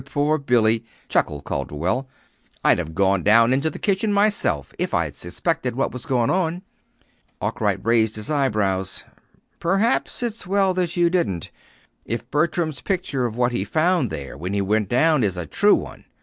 "Poor Billy!" chuckled Calderwell. "I'd have gone down into the kitchen myself if I'd suspected what was going on." Arkwright raised his eyebrows. "Perhaps it's well you didn't if Bertram's picture of what he found there when he went down is a true one.